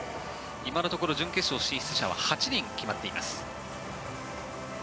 今のところ準決勝進出者は８人決まっています。